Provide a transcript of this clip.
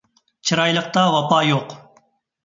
چىرايلىقتا ۋاپا يوق